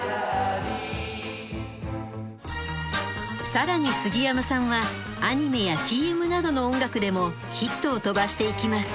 更にすぎやまさんはアニメやＣＭなどの音楽でもヒットを飛ばしていきます。